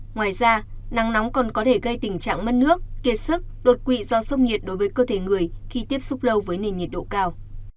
ngoài ra nắng nóng còn có thể gây tình trạng mất nước kiệt sức đột quỵ do sốc nhiệt đối với cơ thể người khi tiếp xúc lâu với nền nhiệt độ cao